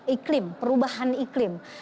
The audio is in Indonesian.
iklim perubahan iklim